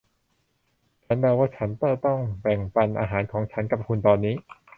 ฉันเดาว่าฉันจะต้องแบ่งปันอาหารของฉันกับคุณตอนนี้